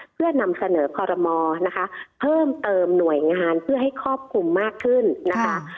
เพื่อนำเสนอคอรมอนะคะเพิ่มเติมหน่วยงานเพื่อให้ครอบคลุมมากขึ้นนะคะ